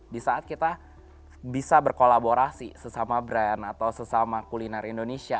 di saat kita bisa berkolaborasi sesama brand atau sesama kuliner indonesia